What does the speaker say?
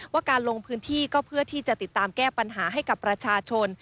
การลงพื้นที่ก็เพื่อที่จะติดตามแก้ปัญหาให้กับประชาชน